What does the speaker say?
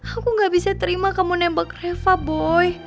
aku nggak bisa terima kamu nembak reva boy